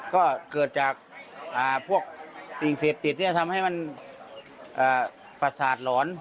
ก็เกิดจากพวกติดทำให้มันปราสาทหลอน